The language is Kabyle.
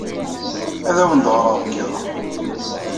Ad awen-d-ɣreɣ deg yiḍ-a.